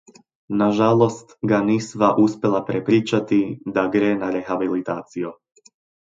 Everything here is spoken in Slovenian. Na žalost, ga nisva uspela prepričati, da gre na rehabilitacijo.